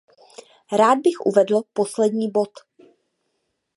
Rád bych uvedl poslední bod.